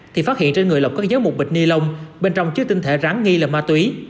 thì phát hiện trên người lộc có dấu một bịch ni lông bên trong chứa tinh thể rắn nghi là ma túy